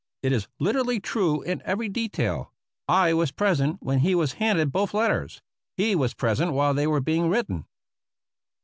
It is literally true in every detail. I was present when he was handed both letters ; he was present while they were being written.